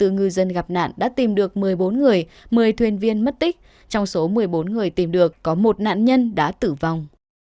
hai mươi ngư dân gặp nạn đã tìm được một mươi bốn người một mươi thuyền viên mất tích trong số một mươi bốn người tìm được có một nạn nhân đã tử vong